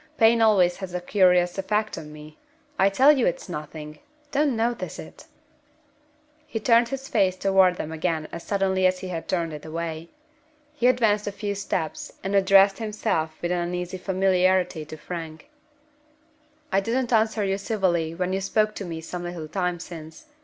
Pain always has a curious effect on me. I tell you it's nothing! Don't notice it!" He turned his face toward them again as suddenly as he had turned it away. He advanced a few steps, and addressed himself with an uneasy familiarity to Frank. "I didn't answer you civilly when you spoke to me some little time since.